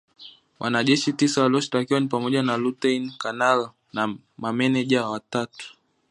Wanajeshi tisa walioshtakiwa ni pamoja na lutein kanali na mameneja watatu.